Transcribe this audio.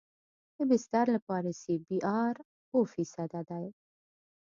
د بستر لپاره سی بي ار اوه فیصده دی